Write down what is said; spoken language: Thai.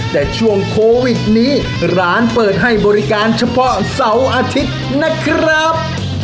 แต่ช่วงโควิดนี้ร้านเปิดให้บริการเฉพาะเสาร์อาทิตย์นะครับ